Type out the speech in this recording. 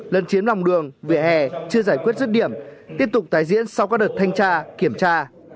lân chiếm lòng đường vỉa hè chưa giải quyết rứt điểm tiếp tục tái diễn sau các đợt thanh tra kiểm tra